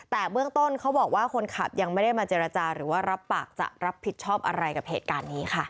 แต่เบื้องต้นเขาบอกว่าคนขับยังไม่ได้มาเจรจาหรือว่ารับปากจะรับผิดชอบอะไรกับเหตุการณ์นี้ค่ะ